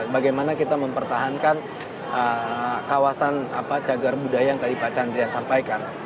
bagaimana kita mempertahankan kawasan cagar budaya yang tadi pak chandrian sampaikan